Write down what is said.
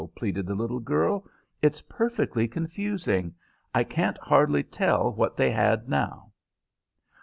pleaded the little girl. "It's perfectly confusing. I can't hardly tell what they had now."